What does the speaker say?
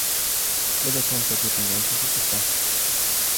لدى توم صديق يعيش في بوسطن.